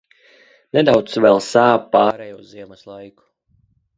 Nedaudz vēl sāp pāreja uz ziemas laiku.